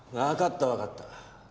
わかったわかった。